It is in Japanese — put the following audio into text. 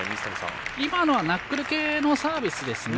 今のはナックル系のサービスですね。